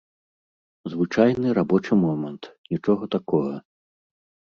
Звычайны рабочы момант, нічога такога.